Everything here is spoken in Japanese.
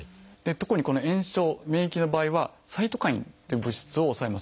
特に炎症免疫の場合はサイトカインっていう物質を抑えます。